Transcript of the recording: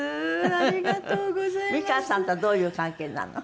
美川さんとはどういう関係なの？